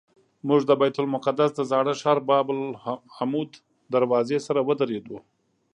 موږ د بیت المقدس د زاړه ښار باب العمود دروازې سره ودرېدو.